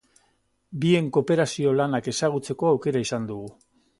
Bien kooperazio lanak ezagutzeko aukera izan dugu.